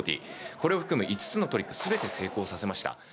これを含む５つのトリックすべて成功させました。